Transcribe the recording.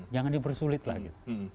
jangan dipersulit lagi